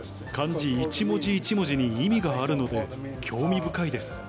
漢字一文字一文字に意味があるので興味深いです。